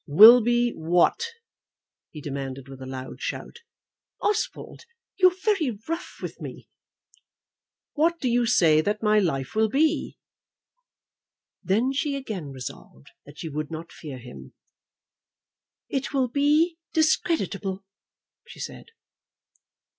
"Will be what?" he demanded with a loud shout. "Oswald, you are very rough with me." "What do you say that my life will be?" Then she again resolved that she would not fear him. "It will be discreditable," she said.